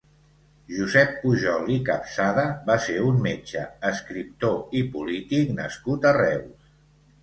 Josep Pujol i Capsada va ser un metge, escriptor i polític nascut a Reus.